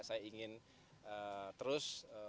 saya ingin terus